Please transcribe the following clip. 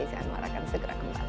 saya nuara akan segera kembali